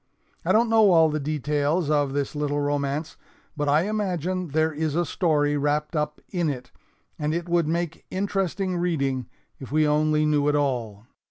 I don't know all the details of this little romance, but I imagine there is a story wrapped up in it, and it would make interesting reading if we only knew it all.